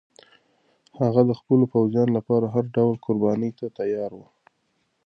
هغه د خپلو پوځیانو لپاره هر ډول قربانۍ ته تیار و.